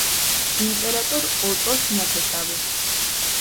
იმპერატორ ოტოს ნათესავი.